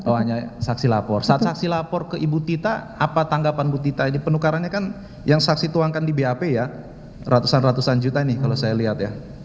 oh hanya saksi lapor saat saksi lapor ke ibu tita apa tanggapan bu tita ini penukarannya kan yang saksi tuangkan di bap ya ratusan ratusan juta ini kalau saya lihat ya